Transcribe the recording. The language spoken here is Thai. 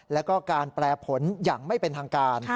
แล้วก็การแปลผลอย่างไม่เป็นทางการ